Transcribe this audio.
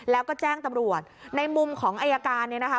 แล้วก็แจ้งตำรวจในมุมของอายการเนี่ยนะคะ